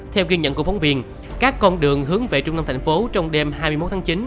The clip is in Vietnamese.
theo ghi nhận của phóng viên các con đường hướng về trung tâm thành phố trong đêm hai mươi một tháng chín